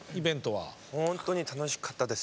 本当に楽しかったです。